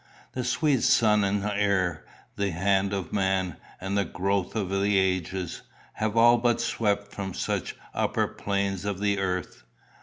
The sweet sun and air, the hand of man, and the growth of the ages, have all but swept such from the upper plains of the earth.